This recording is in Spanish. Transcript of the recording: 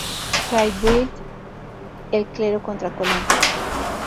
Fray Built, El clero Contra Colón.